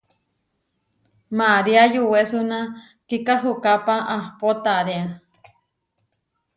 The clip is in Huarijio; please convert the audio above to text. María yuwésuna kikahúkápa ahpó taréa.